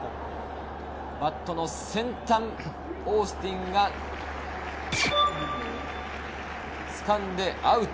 バットの先端、オースティンが、つかんでアウト。